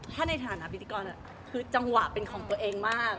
ถ้าในฐานะพิธีกรคือจังหวะเป็นของตัวเองมาก